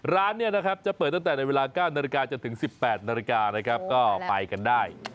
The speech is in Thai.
ร้านจะเปิดตั้งแต่ในเวลา๙นรกาจนถึง๑๘นรกานะครับก็ไปกันได้